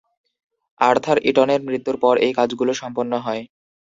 Arthur ইটনের মৃত্যুর পর এই কাজগুলো সম্পন্ন হয়।